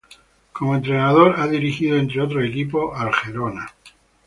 Como entrenador ha dirigido, entre otros equipos, al Girona.